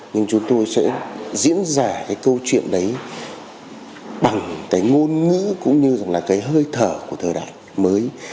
nhưng chúng tôi sẽ diễn giải cái câu chuyện đấy bằng cái ngôn ngữ cũng như là cái hơi thở của thời đại mới